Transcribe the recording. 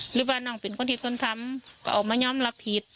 หรือว่าน้องเป็นคนผิดคนทำก็ออกมายอมรับผิด